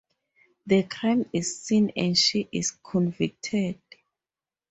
The crime is seen and she is convicted.